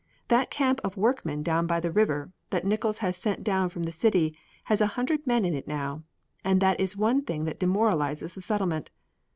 That camp of workmen down by the river that Nickols has had sent down from the city has a hundred men in it now, and that is one thing that demoralizes the Settlement.